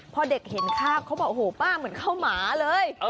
พอเด็กเห็นข้าวเขาบอกโอ้โหป้าเหมือนเข้าหมาเลย